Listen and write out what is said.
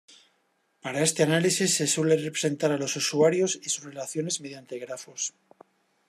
Para este análisis se suele representar a los usuarios y sus relaciones mediante grafos.